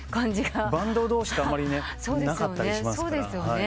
バンド同士ってあんまりねなかったりしますから。